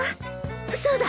そうだ！